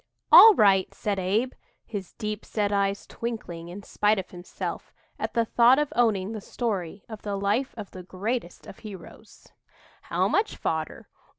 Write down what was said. "All right," said Abe, his deep set eyes twinkling in spite of himself at the thought of owning the story of the life of the greatest of heroes, "how much fodder?"